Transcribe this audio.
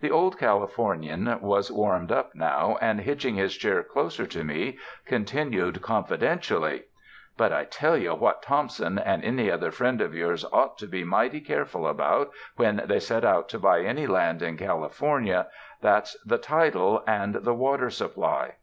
The Old Californian was warmed up now, and hitching his chair closer to me, continued confiden tially: "But I tell you what Thompson and any other friend of yours ought to be mighty careful about, when they set out to buy any land in California— that's the title and the water supply.